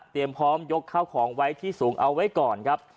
พร้อมยกข้าวของไว้ที่สูงเอาไว้ก่อนครับ